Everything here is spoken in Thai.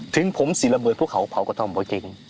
ถึงผมเสียละเมิดภูเขาเผาก็ทำไม่เก่ง